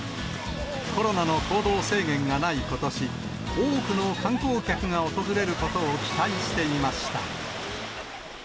コロナの行動制限がないことし、多くの観光客が訪れることを期待していました。